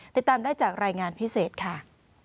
ติดตามได้จากรายงานพิเศษค่ะ